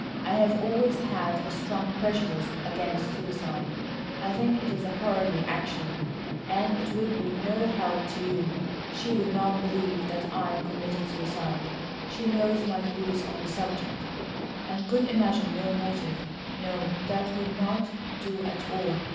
I have always had a strong prejudice against suicide. I think it a cowardly action. And it would be no help to you. She would not believe that I had committed suicide. She knows my views on the subject, and could imagine no motive. No, that would not do at all.